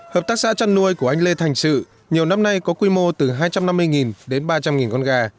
hợp tác xã chăn nuôi của anh lê thành sự nhiều năm nay có quy mô từ hai trăm năm mươi đến ba trăm linh con gà